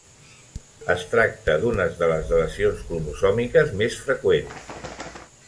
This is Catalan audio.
Es tracta d'una de les delecions cromosòmiques més freqüents.